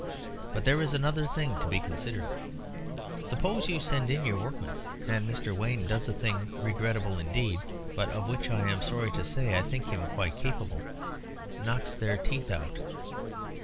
But there is another thing to be considered. Suppose you send in your workmen, and Mr. Wayne does a thing regrettable indeed, but of which, I am sorry to say, I think him quite capable knocks their teeth out?"